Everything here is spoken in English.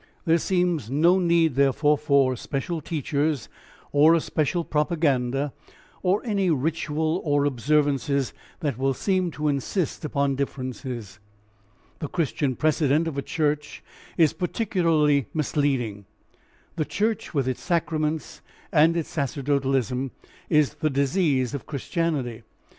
There seems no need therefore for special teachers or a special propaganda, or any ritual or observances that will seem to insist upon differences. The Christian precedent of a church is particularly misleading. The church with its sacraments and its sacerdotalism is the disease of Christianity.